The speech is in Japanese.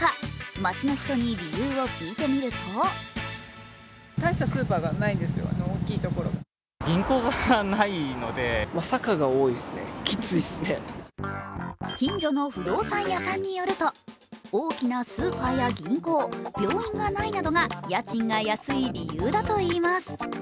街の人に理由を聞いてみると近所の不動産屋さんによると、大きなスーパーや銀行、病院がないなどが家賃が安い理由だといいます。